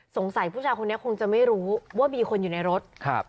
สงสัยผู้ชายคนนี้คงจะไม่รู้ว่ามีคนอยู่ในรถครับ